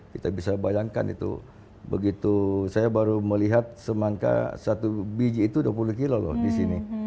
kita bisa bayangkan itu begitu saya baru melihat semangka satu biji itu dua puluh kilo loh di sini